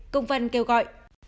công văn kêu gọi